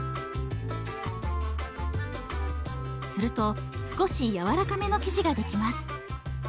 すると少し柔らかめの生地ができます。